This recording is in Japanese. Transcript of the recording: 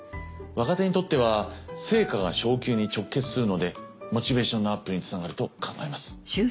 若手にとっては成果が昇給に直結するのでモチベーションのアップにつながると考えます。